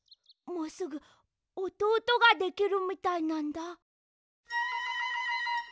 もうすぐおとうとができるみたいなんだ。